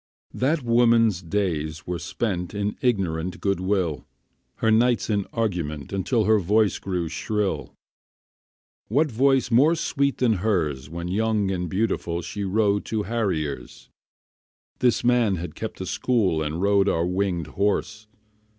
That woman's days were spent In ignorant good will, Her nights in argument Until her voice grew shrill. What voice more sweet than hers When young and beautiful, She rode to harriers? This man had kept a school And rode our winged horse.